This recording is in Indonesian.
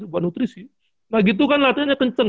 buat nutrisi nah gitu kan latihannya kenceng